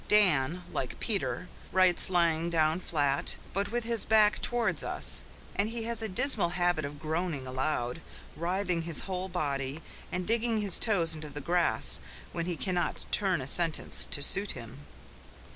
Dan, like Peter, writes lying down flat, but with his back towards us; and he has a dismal habit of groaning aloud, writhing his whole body, and digging his toes into the grass, when he cannot turn a sentence to suit him.